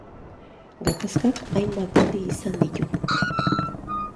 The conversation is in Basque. Gatazkak hainbat aldi izan ditu.